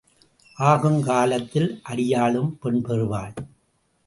ஆகும் காலத்தில் அடியாளும் பெண் பெறுவாள்.